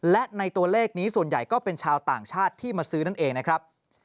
และในตัวเลขนี้ส่วนใหญ่ก็เป็นชาวต่างชาติที่มาซื้อนั่นเองนะครับ